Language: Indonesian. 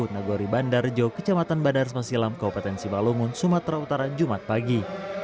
nagori bandar rejo kecamatan badar semasilam kabupaten simalungun sumatera utara jumat pagi